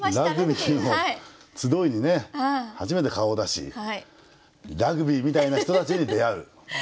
ラグビーの集いに初めて顔を出しラグビーみたいな人たちに出会う。